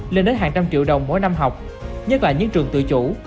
lên đến hàng trăm triệu đồng mỗi năm học nhất là những trường tự chủ